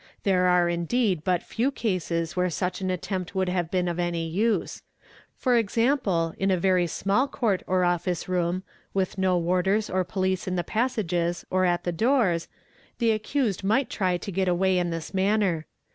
There are indeed but few cases where such an attempt would have been of any use; for example, in a very small court or office room, with no warders or police in the passages or at the doors, the accused might try to get away in this manner.